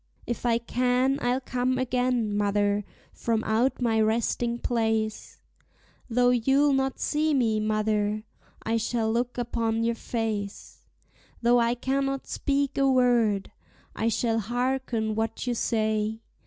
If I can, I'll come again, mother, from out my resting place; Though you'll not see me, mother, I shall look upon your face; Though I cannot speak a word, I shall harken what you say.